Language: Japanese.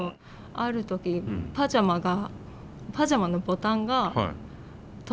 ある時パジャマがパジャマのボタンが留められなくて。